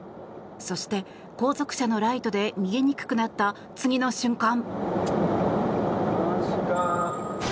そして、後続車のライトで見えにくくなった次の瞬間。